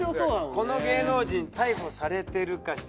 「この芸能人逮捕されてるか？